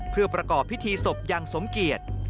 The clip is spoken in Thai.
เพื่อประกอบพิธีศพอย่างสมเกียจ